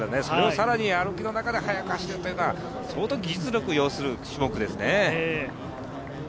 更に歩きの中で速く走るというのは相当、技術力を要する種目ですね。